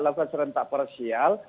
lakukan serentak parsial